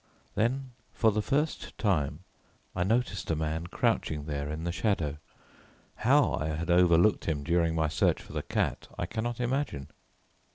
Then for the first time, I noticed a man crouching there in the shadow. How I had overlooked him during my search for the cat, I cannot imagine.